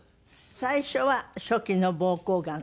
最初は初期の膀胱がん？